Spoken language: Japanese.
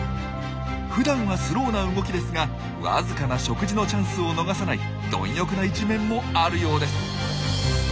ふだんはスローな動きですがわずかな食事のチャンスを逃さない貪欲な一面もあるようです。